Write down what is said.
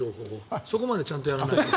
そこまでちゃんとやらないと。